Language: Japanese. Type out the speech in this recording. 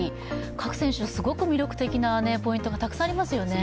各選手、すごく魅力的なポイントもたくさんありますよね。